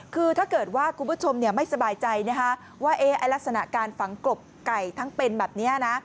คือถ้าเกิดว่าคุณผู้ชมไม่สบายใจว่าลักษณะการฝังกลบไก่ทั้งเป็นแบบนี้นะ